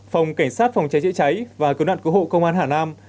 phòng cảnh sát phòng cháy chữa cháy và cơ nạn của hộ công an hà nam